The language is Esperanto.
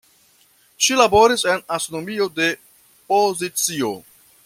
Ŝi laboris en astronomio de pozicio.